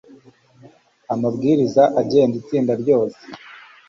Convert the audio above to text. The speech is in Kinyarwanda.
amabwiriza agenda itsinda ryose